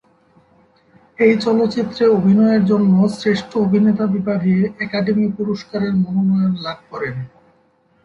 এই চলচ্চিত্রে অভিনয়ের জন্য শ্রেষ্ঠ অভিনেতা বিভাগে একাডেমি পুরস্কারের মনোনয়ন লাভ করেন।